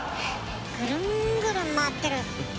グルングルン回ってる。